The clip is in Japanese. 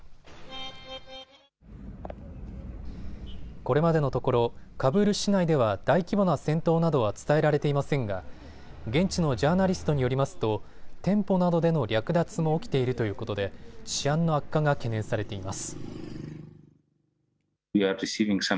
これまでのところカブール市内では大規模な戦闘などは伝えられていませんが現地のジャーナリストによりますと店舗などでの略奪も起きているということで治安の悪化が懸念されています。